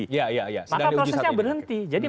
maka prosesnya berhenti jadi